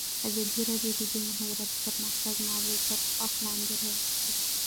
ازادي راډیو د د مخابراتو پرمختګ موضوع تر پوښښ لاندې راوستې.